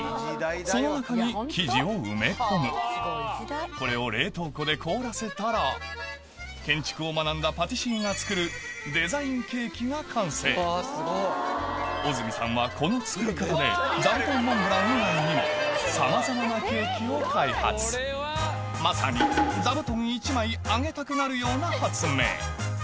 その中に生地を埋め込むこれを冷凍庫で凍らせたら建築を学んだパティシエが作るが完成小住さんはこの作り方で座布団モンブラン以外にもさまざまなケーキを開発まさにあげたくなるような発明